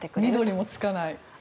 緑もつかない。